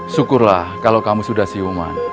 syukurlah kalau kamu sudah siuman